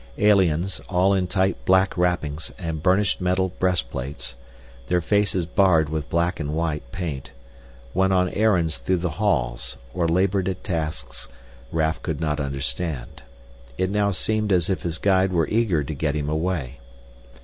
Aliens, all in tight black wrappings and burnished metal breastplates, their faces barred with black and white paint, went on errands through the halls or labored at tasks Raf could not understand. It now seemed as if his guide were eager to get him away.